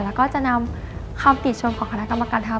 แล้วก็จะนำคำติชมของคณะกรรมการทัพ